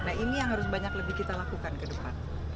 nah ini yang harus banyak lebih kita lakukan ke depan